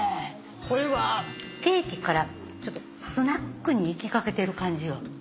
これはケーキからスナックに行きかけてる感じよ。